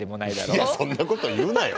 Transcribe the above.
いやそんなこと言うなよ。